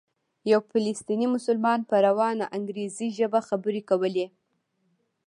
یو فلسطینی مسلمان په روانه انګریزي ژبه خبرې کولې.